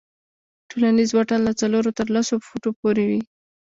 ټولنیز واټن له څلورو تر لسو فوټو پورې وي.